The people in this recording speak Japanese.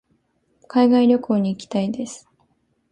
海外旅行に行きたいです。